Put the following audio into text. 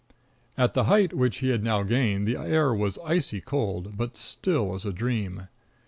At the height which he had now gained the air was icy cold, but still as a dream.